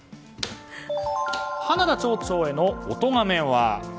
花田町長へのおとがめは？